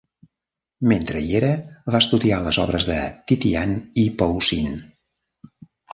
Mentre hi era, va estudiar les obres de Titian i Poussin.